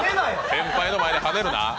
先輩の前ではねるな。